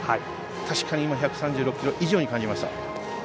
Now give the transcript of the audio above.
確かに今、１３６キロ以上に感じました。